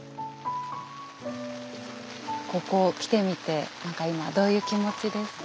ここ来てみて何か今どういう気持ちですか？